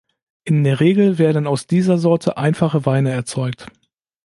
In der Regel werden aus dieser Sorte einfache Weine erzeugt.